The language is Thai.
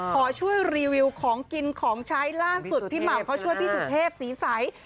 ขอช่วยรีวิวของกินของใช้ล่าสุดพี่หม่ำเขาช่วยพี่สุเทพศรีใส